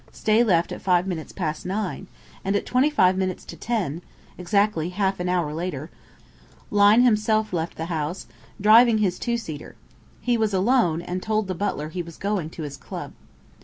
Stay left at five minutes past nine, and at twenty five minutes to ten exactly half an hour later Lyne himself left the house, driving his two seater. He was alone, and told the butler he was going to his club."